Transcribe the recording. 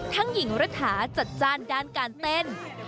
หญิงรัฐาจัดจ้านด้านการเต้น